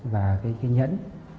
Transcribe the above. và cái nhẫn